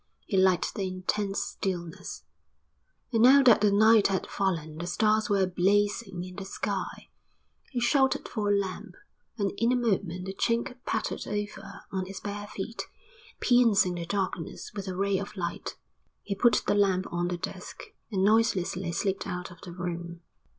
He liked the intense stillness, and now that the night had fallen the stars were blazing in the sky. He shouted for a lamp and in a moment the Chink pattered over on his bare feet, piercing the darkness with a ray of light. He put the lamp on the desk and noiselessly slipped out of the room.